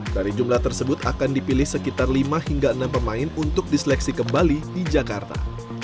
dari jumlah tersebut akan dipilih sekitar lima hingga enam pemain untuk diseleksi kembali di jakarta